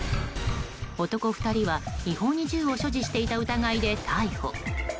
男２人は違法に銃を所持していた疑いで逮捕。